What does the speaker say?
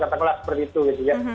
katakanlah seperti itu gitu ya